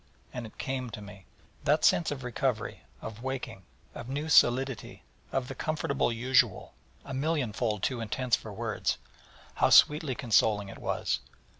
and it came to me. That sense of recovery, of waking, of new solidity, of the comfortable usual, a million fold too intense for words how sweetly consoling it was!